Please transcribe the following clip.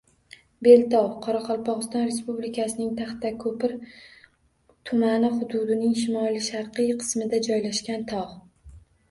Beltov – Qoraqalpog‘iston Respublikasining Taxtako‘pir tumani hududining shimoli-sharqiy qismida joylashgan tog‘.